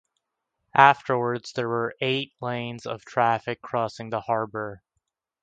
Afterwards, there were eight lanes of traffic crossing the harbour.